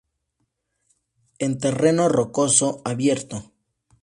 En terreno rocoso abierto.